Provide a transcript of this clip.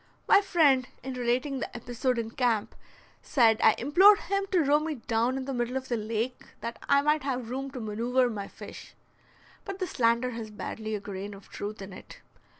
My friend, in relating the episode in camp, said I implored him to row me down in the middle of the lake that I might have room to manoeuver my fish. But the slander has barely a grain of truth in it.